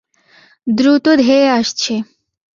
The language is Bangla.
দ্রুত ধেয়ে আসছে।